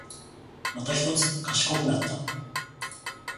またひとつ賢くなった